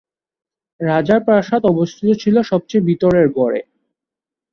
রাজার প্রাসাদ অবস্থিত ছিল সবচেয়ে ভিতরের গড়ে।